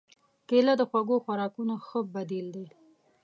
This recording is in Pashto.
کېله د خوږو خوراکونو ښه بدیل دی.